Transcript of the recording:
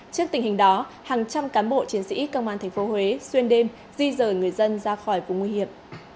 trước tình hình đó hàng trăm cán bộ chiến sĩ công an tp huế xuyên đêm di rời người dân ra khỏi vùng nguy hiểm